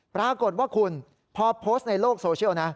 ปรากฏว่าคุณพอโพสต์ในโลกโซเชียลนะ